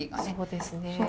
そうですね。